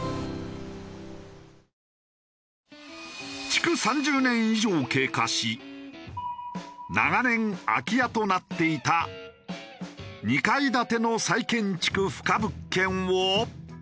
築３０年以上経過し長年空き家となっていた２階建ての再建築不可物件を。